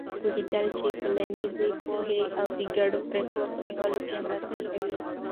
پوهېدل د ټولنیزې پوهې او د ګډو پرېکړو په نیولو کې مرسته کوي.